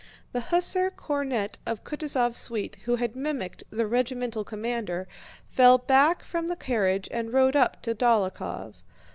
The hussar cornet of Kutúzov's suite who had mimicked the regimental commander, fell back from the carriage and rode up to Dólokhov.